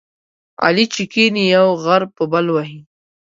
علي چې کېني، یو غر په بل وهي.